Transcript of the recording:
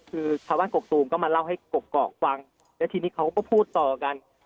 คือชาวบ้านกกตูมก็มาเล่าให้กกอกฟังแล้วทีนี้เขาก็พูดต่อกัน